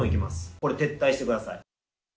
これ、撤退してください。